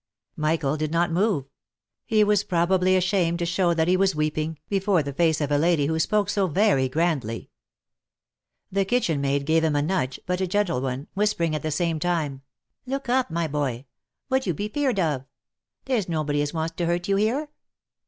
Michael did not move ; he was probably ashamed to show that he was weeping, before the face of a lady who spoke so very grandly. The kitchen maid gave him a nudge, but a gentle one, whisper ing at the same time —" Look up, my boy. What be you 'feard of? There's nobody as wants to hurt you here."